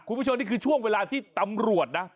คุณผู้ชมนี่คือช่วงเวลาที่ตำรวจนะ